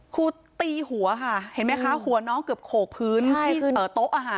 ครูตีหัวค่ะเห็นไหมคะหัวน้องเกือบโขกพื้นที่โต๊ะอาหาร